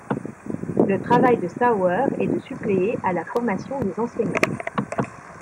Le travail de Sauer est de suppléer à la formation des enseignants.